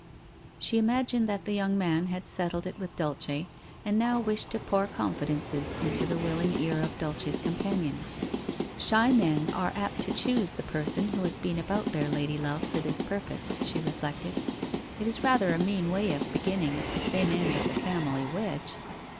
She imagined that the young man had settled it with Dulce, and now wished to pour confidences into the willing ear of Dulce's companion. ' Shy men are apt to choose the person who has been about their lady love for this pur pose,' she reflected. ' It is rather a mean way of beginning at the thin end of the family wedge